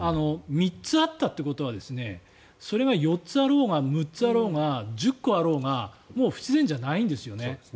３つあったということはそれが４つあろうが６つあろうが１０個あろうがもう不自然じゃないんですよね。